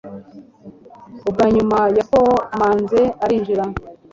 Ubwa nyuma yakomanze arinjira